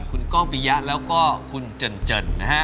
คุณก้องปียะแล้วก็คุณเจินนะฮะ